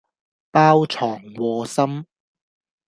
包藏禍心